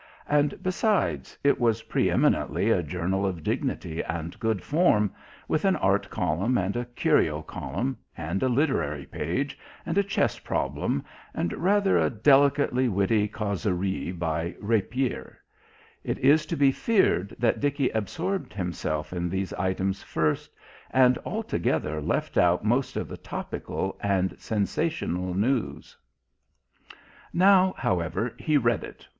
And besides, it was pre eminently a journal of dignity and good form, with an art column, and a curio column, and a literary page, and a chess problem, and rather a delicately witty causerie by "Rapier"; it is to be feared that Dickie absorbed himself in these items first, and altogether left out most of the topical and sensational news. Now, however, he read it.